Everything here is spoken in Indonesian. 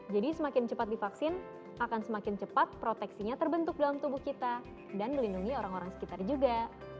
jadi semakin cepat divaksin akan semakin cepat proteksinya terbentuk dalam tubuh kita dan melindungi orang orang sekitar juga